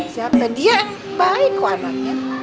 siapa dia baik kok anaknya